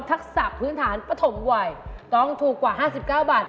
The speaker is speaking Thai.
ทักษะพื้นฐานปฐมวัยต้องถูกกว่า๕๙บาท